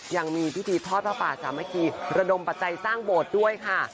ยังมีพิธีพระพระอาจารย์เมื่อกี้ระดมประไจร์สร้างโบสถ์ด้วยค่ะ